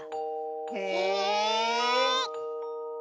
へえ。